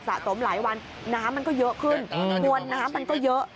สมหลายวันน้ำมันก็เยอะขึ้นมวลน้ำมันก็เยอะ